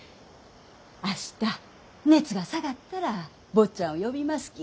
明日熱が下がったら坊ちゃんを呼びますき。